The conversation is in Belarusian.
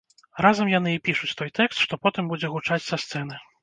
Разам яны і пішуць той тэкст, што потым будзе гучаць са сцэны.